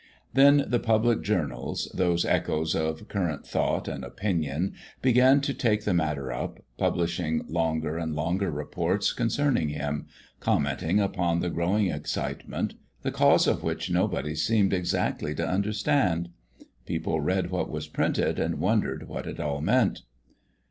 Then the public journals, those echoes of current thought and opinion, began to take the matter up, publishing longer and longer reports concerning him; commenting upon the growing excitement, the cause of which nobody seemed exactly to understand. People read what was printed and wondered what it all meant.